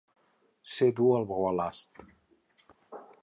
Ser dur el bou a l'ast.